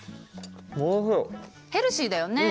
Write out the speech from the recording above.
ヘルシーだよね。